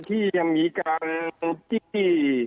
ที่ยังมีการที่